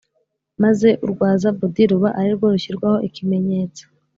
maze urwa zabudi ruba ari rwo rushyirwaho ikimenyetso.